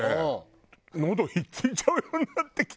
喉引っ付いちゃうようになってきた。